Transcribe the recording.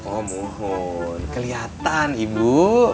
oh mohon kelihatan ibu